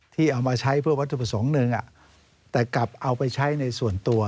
ที่เอามาใช้เพื่อวัตถุประสงค์หนึ่งแต่กลับเอาไปใช้ในส่วนตัว